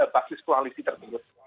basis koalisi tersebut